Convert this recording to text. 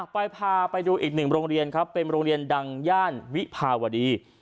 พาไปดูอีกหนึ่งโรงเรียนครับเป็นโรงเรียนดังย่านวิภาวดี